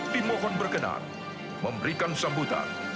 dimohon berkenan memberikan sambutan